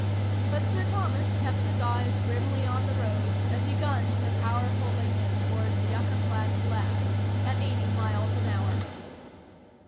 But Sir Thomas kept his eyes grimly on the road as he gunned the powerful Lincoln toward the Yucca Flats Labs at eighty miles an hour.